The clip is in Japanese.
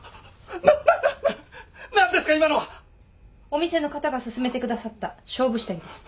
お店の方が薦めてくださった勝負下着です。